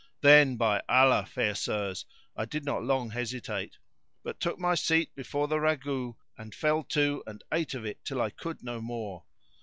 Then, by Allah, fair sirs, I did not long hesitate; but took my seat before the ragout and fell to and ate of it till I could no more.